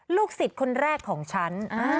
ลูกศิษย์คนแรกของฉัน